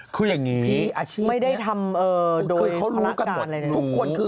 พีชอาชีพไม่ได้ทำโดยธนาคารอะไรนะ